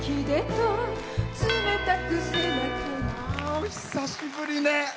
「お久しぶりね」。